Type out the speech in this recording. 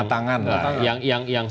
kita ini harus percaya kepada hukum